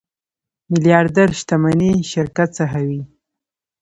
میلیاردر شتمني شرکت څخه وي.